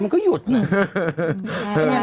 มันก็หยุดนะ